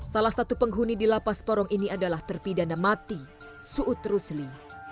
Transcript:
salah satu penghuni di lapas porong ini adalah terpidana mati suud rusli